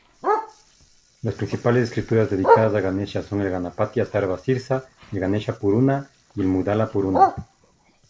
Las principales escrituras dedicadas a Ganesha son el "Ganapati-atharva-sirsa", el "Ganesha-purana" y el "Mugdala-purana".